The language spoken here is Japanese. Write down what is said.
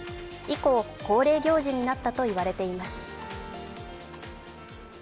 以降、恒例行事になったと言われています。